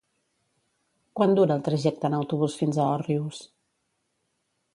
Quant dura el trajecte en autobús fins a Òrrius?